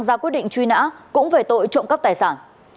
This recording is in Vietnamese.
ra quyết định truy nã cũng về tội trộm cắp tài sản